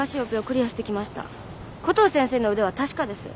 コトー先生の腕は確かです。